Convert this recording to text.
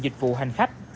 dịch vụ hành khách